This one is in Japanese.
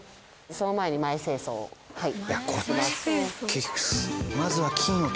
その前に前清掃をはい。